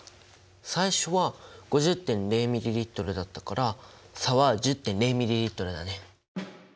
最初は５０．０ｍＬだったから差は１０．０ｍＬだね。